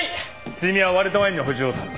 梅雨美は割れたワインの補充を頼む。